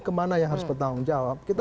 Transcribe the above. kemana yang harus bertanggung jawab kita